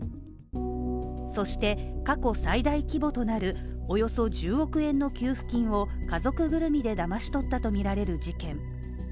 そして、過去最大規模となるおよそ１０億円の給付金を家族ぐるみでだまし取ったとみられる事件。